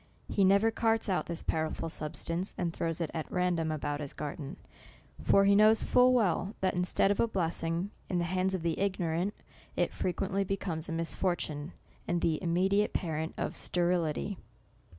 He never carts out this powerful sub stance, and throws it at random about his garden ; tor he knows full well, that instead of a blessing, in the hands of the ignorant, it frequently becomes a misfortune, and the im mediate parent of sterility.